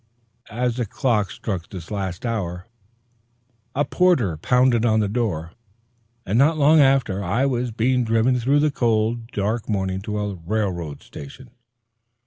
As the clock struck this last hour, a porter pounded on the door, and, not long after, I was being driven through the cold, dark morning to a railroad station.